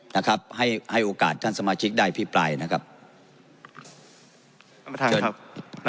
นะครับให้ให้โอกาสท่านสมาชิกได้พิปรายนะครับท่านประธานเชิญครับ